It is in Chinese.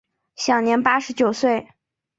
享年八十九岁。